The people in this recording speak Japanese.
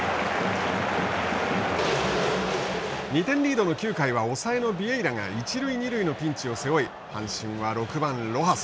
２点リードの９回は抑えのビエイラが一塁二塁のピンチを背負い阪神は６番ロハス。